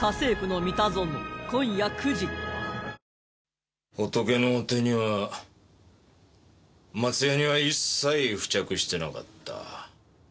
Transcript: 超濃いホトケの手には松ヤニは一切付着してなかった。